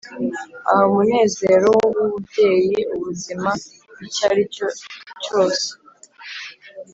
ahh, umunezero wububyeyi- ubuzima icyo aricyo cyose